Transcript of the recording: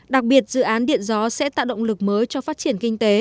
đặc biệt dự án điện gió sẽ tạo động lực mới cho phát triển kinh tế